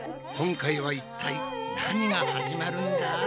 今回はいったい何が始まるんだ？